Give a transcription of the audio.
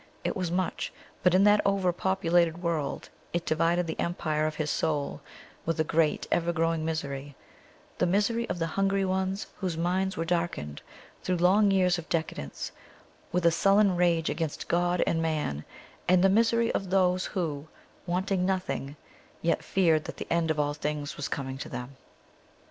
It was much; but in that over populated world it divided the empire of his soul with a great, ever growing misery the misery of the hungry ones whose minds were darkened, through long years of decadence, with a sullen rage against God and man; and the misery of those who, wanting nothing, yet feared that the end of all things was coming to them.